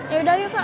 yaudah yuk kak